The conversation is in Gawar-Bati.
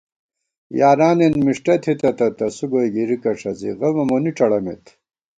یارانېن مِݭٹہ تھِتہ تہ تسُو گوئی گِرِکہ ݭڅی غمہ مونی ڄَڑَمېت